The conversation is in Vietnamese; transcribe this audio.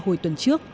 hồi tuần trước